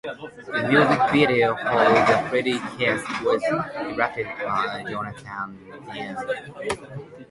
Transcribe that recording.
The music video for "The Perfect Kiss" was directed by Jonathan Demme.